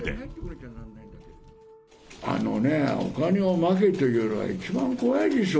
あのね、お金をまけというのは、一番怖いでしょ？